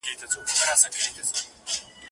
اوس په ساندو كيسې وزي له كابله